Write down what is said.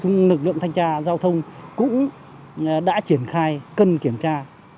lực lượng thanh tra giao thông cũng đã triển khai cân kiểm tra